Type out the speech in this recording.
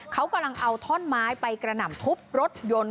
เขากำลังเอาท่อนไม้ไปกระหน่ำทุบรถยนต์